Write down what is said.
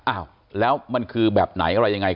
อ้าวแล้วมันคือแบบไหนอะไรยังไง